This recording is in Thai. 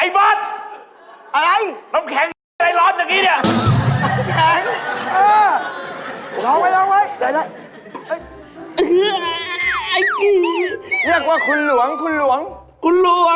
ไม่ใช่ดู